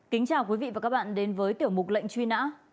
kính chào quý vị và các bạn đến với tiểu mục lệnh truy nã